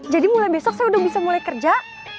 jadi mulai besok saya udah bisa mulai kerja